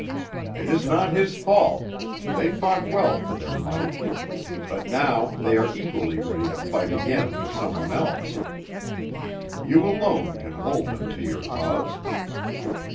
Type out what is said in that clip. It is not his fault, they fought well for their money; but now they are equally ready to fight again for someone else. You alone can hold them to your cause.